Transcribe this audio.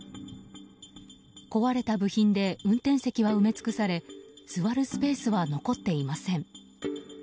壊れた部品で運転席は埋め尽くされ座るスペースは残っていません。